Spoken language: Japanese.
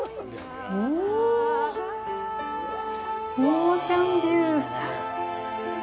おお、オーシャンビュー。